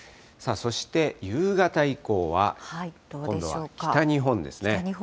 そして夕方以降は、今度は北日本ですね。